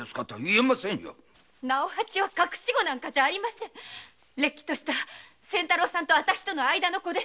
直八は隠し子じゃれっきとした仙太郎さんと私との間の子です。